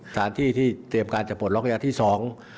สถานที่ที่เตรียมการจะปลดล็อกระยะที่สอง